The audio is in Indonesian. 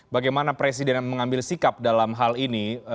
bagaimana presiden mengambil sikap dalam hal ini